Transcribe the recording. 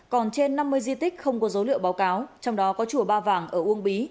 còn trên năm mươi di tích không có dấu liệu báo cáo trong đó có chùa ba vàng ở uông bí